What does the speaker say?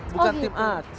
bukan tim acel